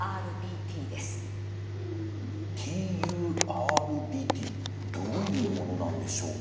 ＴＵＲＢＴどういうものなんでしょうか？